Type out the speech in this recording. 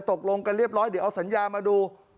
ตกลงกันเรียบร้อยเดี๋ยวเอาสัญญามาดู